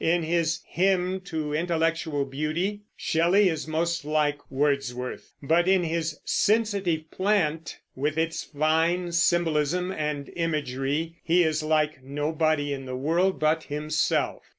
In his "Hymn to Intellectual Beauty" Shelley is most like Wordsworth; but in his "Sensitive Plant," with its fine symbolism and imagery, he is like nobody in the world but himself.